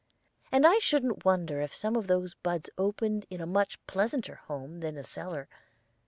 And I shouldn't wonder if some of those buds opened in a much pleasanter home than that cellar.